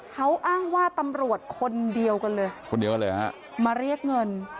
เขาอ้างว่าตำรวจคนเดียวกันเลยมาเรียกเงิน